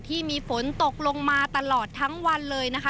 ที่มีฝนตกลงมาตลอดทั้งวันเลยนะคะ